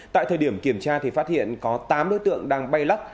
tại thời điểm kiểm tra thì phát hiện có tám đối tượng đang bay lắc